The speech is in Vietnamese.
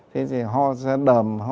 thế thì ho ra đầm